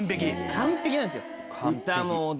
完璧なんですよ。